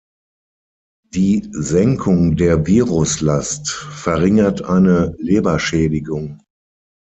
Die Senkung der Viruslast verringert eine Leberschädigung.